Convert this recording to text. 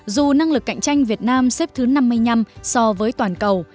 dù năng lực cạnh tranh việt nam xếp thứ năm mươi năm so với toàn cầu